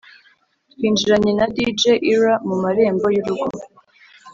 twinjiranye na Dj Ira mu marembo y’urugo